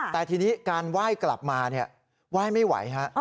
แต่ทีนี้การไหว้กลับมาไหว้ไม่ไหวฮะ